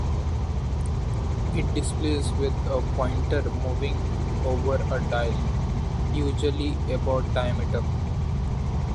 It displays with a pointer moving over a dial, usually about diameter.